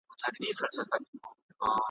دلته دوږخ هلته دوږخ دی د خوارانو موري ,